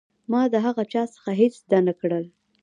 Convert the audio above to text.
ما د هغه چا څخه هېڅ زده نه کړل.